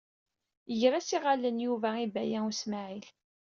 Yegra-s iɣallen Yuba i Baya U Smaɛil.